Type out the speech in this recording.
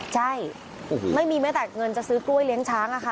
ใช่ไม่มีแม้แต่เงินจะซื้อกล้วยเลี้ยงช้างอะค่ะ